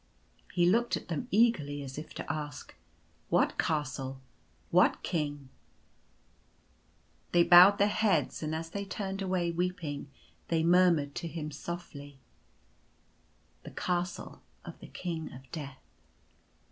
He looked at them eagerly, as if to ask :" What castle ? What king ?" They bowed their heads; and as they turned away weeping they murmured to him softly —" The Castle of the King of Death."